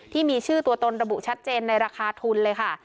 ที่มีชื่อตัวตนระบุชัดเจนในราคาทุนเลยค่ะ